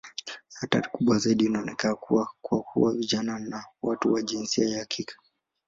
Hatari kubwa zaidi inaonekana kuwa kwa vijana na watu wa jinsia ya kike.